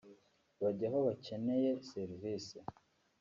Bajya aho bakeneye serivisi